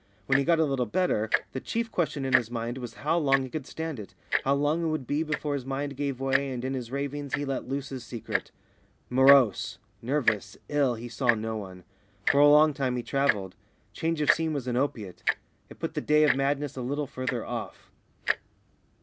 When he got a little better, the chief question in his mind was how long he could stand it, how long it would be before his mind gave way and in his ravings he let loose his secret. Morose, nervous, ill, he saw no one. For a long time he travelled. Change of scene was an opiate. It put the day of madness a little further off.